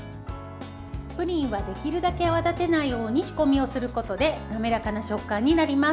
プリンはできるだけ泡立てないように仕込みをすることで滑らかな食感になります。